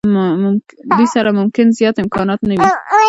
دوی سره ممکن زیات امکانات نه وي.